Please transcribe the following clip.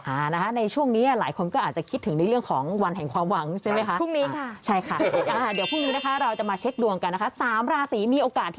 อ่าช่วงนี้ในช่วงนี้หลายคนก็อาจจะคิดถึงเรื่องของวันแห่งความหวังเท่าไหร่ไหม